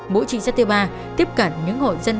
mỗi trình sát thứ ba tiếp cận những hội dân tộc